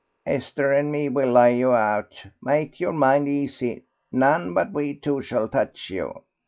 "Esther and me will lay you out, make your mind easy; none but we two shall touch you."